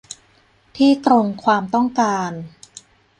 ที่ตรงความต้องการ